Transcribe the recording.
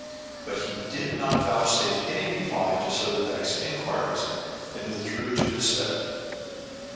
But he did not vouchsafe any reply to Servadac's inquiries, and withdrew to his study.